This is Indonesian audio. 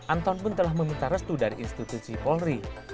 anton pun telah meminta restu dari institusi polri